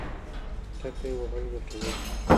ټکی وهل ګټور دی.